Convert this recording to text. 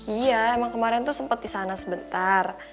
iya emang kemarin tuh sempat di sana sebentar